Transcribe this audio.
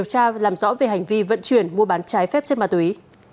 hành vi vận chuyển mua bán trái phép chất ma túy